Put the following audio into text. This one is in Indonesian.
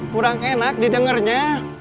kurang enak didengernya